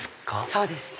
そうですね。